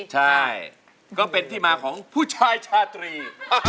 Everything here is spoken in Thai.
ใช่ก็เป็นที่มาของผู้ชายชาตรี